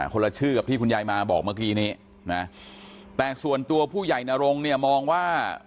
คนละชื่อกับที่คุณยายมาบอกเมื่อกี้นี้นะแต่ส่วนตัวผู้ใหญ่นรงเนี่ยมองว่า